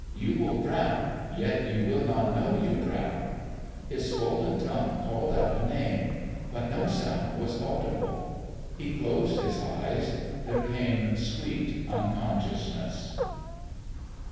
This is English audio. "You will drown, yet you will not know you drown...!" His swollen tongue called out a name. But no sound was audible. He closed his eyes. There came sweet unconsciousness....